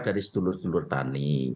dari seluruh seluruh tani